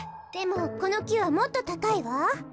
でもこのきはもっとたかいわ。